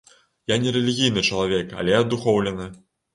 Я не рэлігійны чалавек, але адухоўлены.